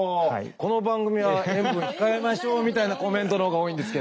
この番組は塩分控えましょうみたいなコメントのほうが多いんですけれども。